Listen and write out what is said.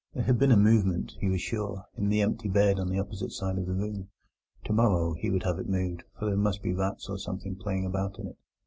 There had been a movement, he was sure, in the empty bed on the opposite side of the room. Tomorrow he would have it moved, for there must be rats or something playing about in it.